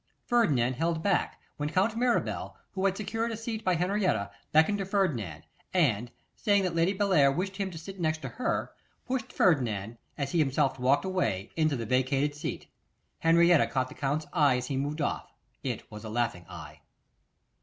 Ferdinand held back, when Count Mirabel, who had secured a seat by Henrietta, beckoned to Ferdinand, and saying that Lady Bellair wished him to sit next to her, pushed Ferdinand, as he himself walked away, into the vacated seat. Henrietta caught the Count's eye as he moved off; it was a laughing eye.